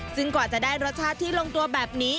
ซึ่งกว่าจะได้รสชาติที่ลงตัวแบบนี้